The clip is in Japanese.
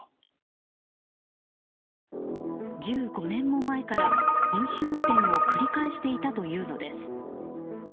１５年も前から飲酒運転を繰り返していたというのです。